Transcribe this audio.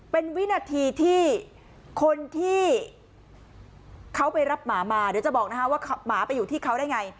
เป็นวินาทีที่คนที่เขาไปรับหมามาเดี๋ยวจะบอกนะคะว่าหมาไปอยู่ที่เขาได้ไง